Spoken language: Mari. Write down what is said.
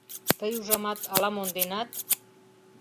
— Тый, ужамат, ала монденат.